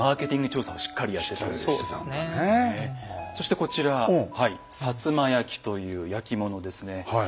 今で言うそしてこちら「摩焼」という焼き物ですね。